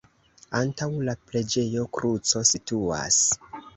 Antaŭ la preĝejo kruco situas.